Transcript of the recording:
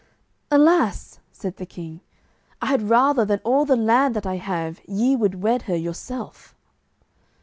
"Alas," said the king, "I had rather than all the land that I have ye would wed her yourself."